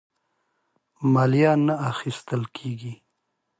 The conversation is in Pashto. مالیه نه اخیستله کیږي.